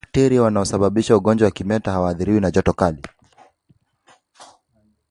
Bakteria wanaosababisha ugonjwa wa kimeta hawaathiriwi na joto kali